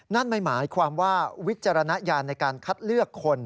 นั่นไม่หมายความว่าวิจารณญาณในการคัดเลือกคน